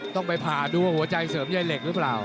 ต้องไปผ่าดูว่าหัวใจเสริมใยเหล็กหรือเปล่า